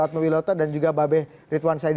atmawiloto dan juga mbak be ritwan said